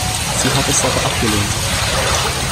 Sie hat es aber abgelehnt.